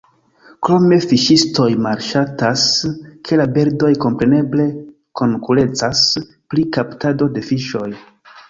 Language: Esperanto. Krome fiŝistoj malŝatas, ke la birdoj kompreneble konkurencas pri kaptado de fiŝoj.